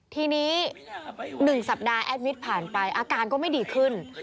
ทีนี้๑สัปดาห์แอดมิตรผ่านไปอาการก็ไม่ดีขึ้น